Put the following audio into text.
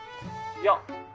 いや。